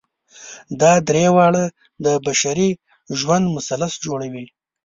دا درې واړه د بشري ژوند مثلث جوړوي.